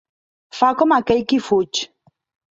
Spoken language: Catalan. Fa com aquell qui fuig.